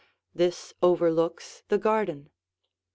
This overlooks the garden.